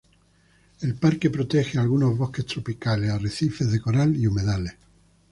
El parque protege algunos bosques tropicales, arrecifes de coral y humedales.